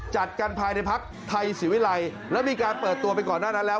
จัดกันภายในพักไทยศิวิลัยแล้วมีการเปิดตัวไปก่อนหน้านั้นแล้ว